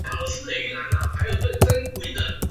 翁郭依等人归附土默特部。